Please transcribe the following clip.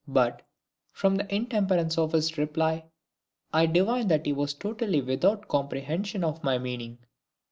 But, from the intemperance of his reply, I divined that he was totally without comprehension of my meaning!